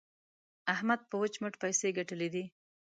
احمد په وچ مټ پيسې ګټلې دي.